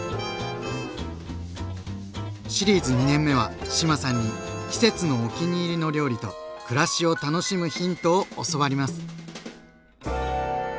シリーズ２年目は志麻さんに季節のお気に入りの料理と暮らしを楽しむヒントを教わります。